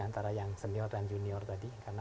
antara yang senior dan junior tadi karena